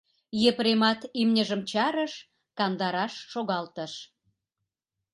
Епремат имньыжым чарыш, кандараш шогалтыш.